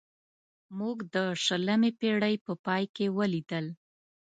موږ د شلمې پېړۍ په پای کې ولیدل.